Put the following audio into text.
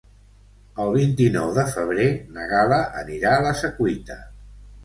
El vint-i-nou de febrer na Gal·la anirà a la Secuita.